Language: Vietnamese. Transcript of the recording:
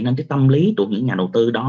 nên cái tâm lý của những nhà đầu tư đó